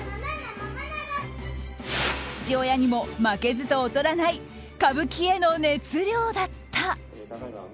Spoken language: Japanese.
父親にも負けずと劣らない歌舞伎への熱量だった。